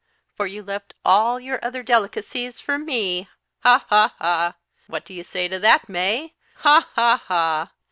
for you left all your other delicacies for me, ha, ha, ha I what do you say to that, May? ha, ha, ha!"